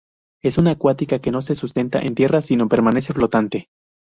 Es una acuática que no se sustenta en tierra, sino permanece flotante.